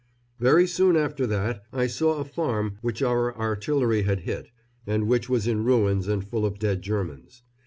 Very soon after that I saw a farm which our artillery had hit, and which was in ruins and full of dead Germans.